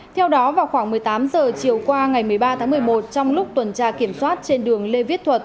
theo đó vào khoảng một mươi tám h chiều qua ngày một mươi ba tháng một mươi một trong lúc tuần tra kiểm soát trên đường lê viết thuật